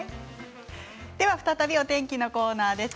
再びお天気のコーナーです。